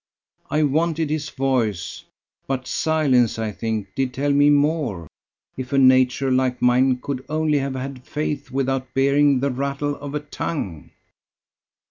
I wanted his voice; but silence, I think, did tell me more: if a nature like mine could only have had faith without bearing the rattle of a tongue."